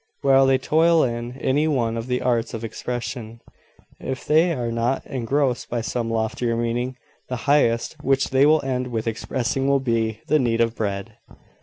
While they toil in any one of the arts of expression, if they are not engrossed by some loftier meaning, the highest which they will end with expressing will be, the need of bread."